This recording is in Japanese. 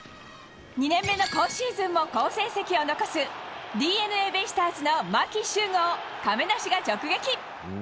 ２年目の今シーズンも好成績を残す、ＤｅＮＡベイスターズの牧秀悟を亀梨が直撃。